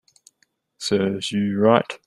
Serves you right